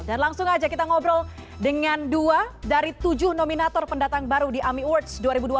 dan langsung aja kita ngobrol dengan dua dari tujuh nominator pendatang baru di amiwords dua ribu dua puluh satu